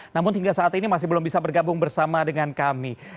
namun hingga saat ini masih belum bisa bergabung bersama dengan kami